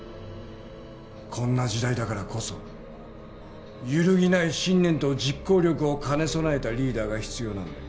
こんな時代だからこそ揺るぎない信念と実行力を兼ね備えたリーダーが必要なんだよ。